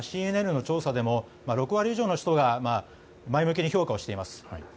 ＣＮＮの調査でも６割以上の人が前向きに評価しています。